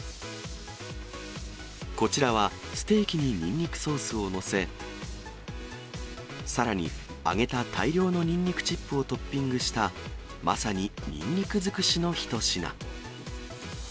こちらは、ステーキにニンニクソースを載せ、さらに、揚げた大量のニンニクチップをトッピングしたまさにニンニク尽くしの一品。